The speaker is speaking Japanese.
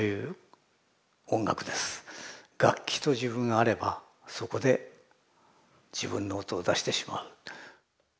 楽器と自分があればそこで自分の音を出してしまう。